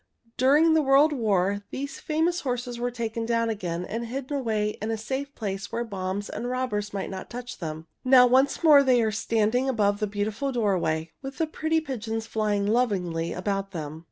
During the World War these famous horses were taken down again and hidden away in a safe place where bombs and robbers might not touch them. Now once more they are standing above the beautiful doorway, with the pretty pigeons flying lovingly about them.